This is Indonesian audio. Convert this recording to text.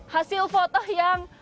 hasil foto yang